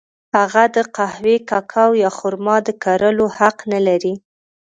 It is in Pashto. هغه د قهوې، کوکو یا خرما د کرلو حق نه لري.